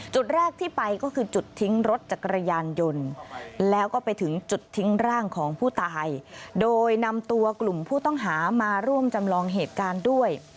จุดแรกที่ไปก็คือจุดทิ้งรถจักรยานยนต์แล้วก็ไปถึงจุดทิ้งร่างของผู้ตายโดยนำตัวกลุ่มผู้ต้องหามาร่วมจำลองเหตุการณ์ด้วย